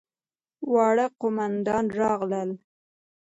واړه قوماندان راغلل.